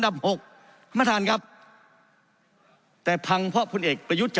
ดำหกท่านอายุภาณ์ครับแต่พังเพราะผู้เอกประยุตช